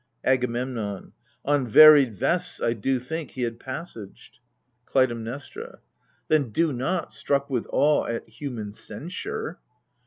AGAMEMNON. On varied vests — I do think — he had passaged. 76 AGAMEMNON. KLUTAIMNESTRA. Then, do not, struck with awe at human censure.